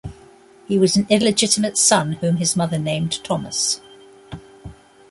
He was an illegitimate son whom his mother named Thomas.